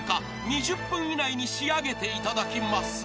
［２０分以内に仕上げていただきます］